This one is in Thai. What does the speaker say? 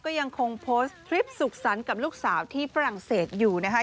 ก็ยังคงโพสต์คลิปสุขสรรค์กับลูกสาวที่ฝรั่งเศสอยู่นะคะ